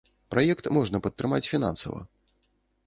Праект можна падтрымаць фінансава.